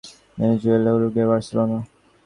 Venezuela, Uruguay, Barcelona.